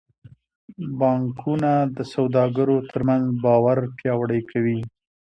بانکونه د سوداګرو ترمنځ باور پیاوړی کوي.